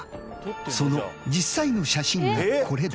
その実際の写真がこれだ。